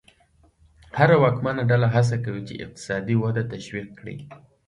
هره واکمنه ډله هڅه کوي چې اقتصادي وده تشویق کړي.